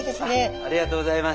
ありがとうございます。